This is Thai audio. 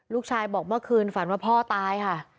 ลูกชายบอกเมื่อคืนฝันว่าพ่อตายค่ะ